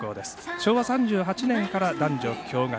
昭和３８年から男女共学。